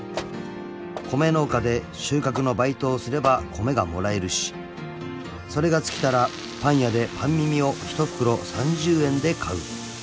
［米農家で収穫のバイトをすれば米がもらえるしそれが尽きたらパン屋でパン耳を一袋３０円で買う］